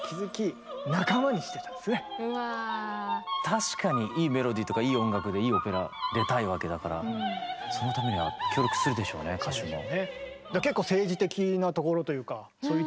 確かにいいメロディーとかいい音楽でいいオペラ出たいわけだからそのためには協力するでしょうね歌手も。